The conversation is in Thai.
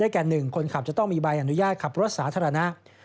แก่๑คนขับจะต้องมีใบอนุญาตขับรถสาธารณะ